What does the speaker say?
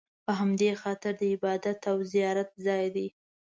په همدې خاطر د عبادت او زیارت ځای دی.